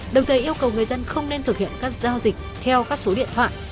đồng thời yêu cầu người dân không nên thực hiện các giao dịch theo các số điện thoại